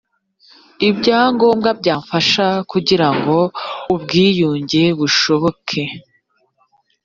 ibyangombwa byafasha kugira ngo ubwiyunge bushoboke